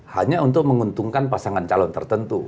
hanya untuk menguntungkan pasangan calon tertentu